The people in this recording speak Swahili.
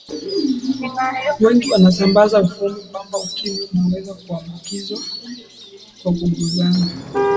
wengi wanasambaza uvumi kwamba ukimwi unaweza kuambukizwa kwa kugusana